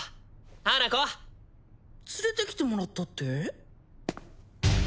花子連れてきてもらったって？